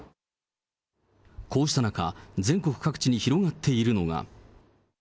こうした中、全国各地に広がっているのが。